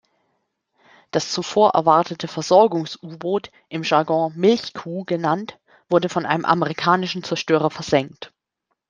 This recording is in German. Das zuvor erwartete Versorgungs-U-Boot, im Jargon „Milchkuh“ genannt, wurde von einem amerikanischen Zerstörer versenkt.